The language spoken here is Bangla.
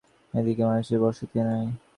এদিকে মানুষের বসতি নাই।